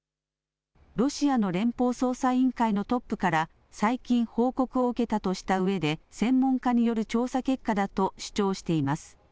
ロシアの連邦捜査委員会のトップから最近、報告を受けたとしたうえで専門家による調査結果だと主張しています。